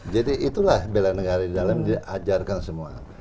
jadi itulah belanegara di dalam diajarkan semua